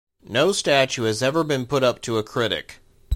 No statue has ever been put up to a critic.